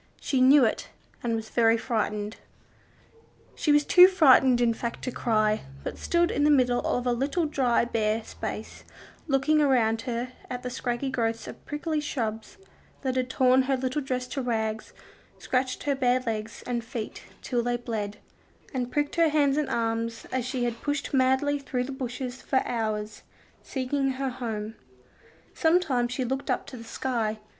She knew it, and was very frightened. She was too frightened in fact to cry, but stood in the middle of a little dry, bare space, looking around her at the scraggy growths of prickly shrubs that had torn her little dress to rags, scratched her bare legs and feet till they bled, and pricked her hands and arms as she had pushed madly through the bushes, for hours, seeking her home. Sometimes she looked up to the sky.